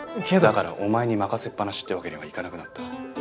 だからお前に任せっぱなしってわけにはいかなくなった。